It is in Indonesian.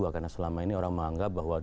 karena selama ini orang menganggap bahwa